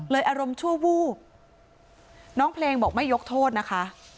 อารมณ์ชั่ววูบน้องเพลงบอกไม่ยกโทษนะคะ